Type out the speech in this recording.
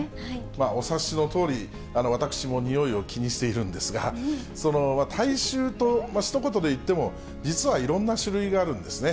お察しのとおり、私もにおいを気にしているんですが、その体臭とひと言で言っても、実はいろんな種類があるんですね。